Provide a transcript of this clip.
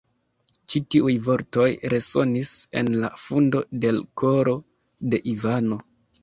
Ĉi tiuj vortoj resonis en la fundo de l' koro de Ivano.